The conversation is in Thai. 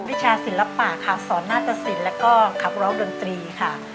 วิชาศิลปะค่ะสอนนาตสินแล้วก็ขับร้องดนตรีค่ะ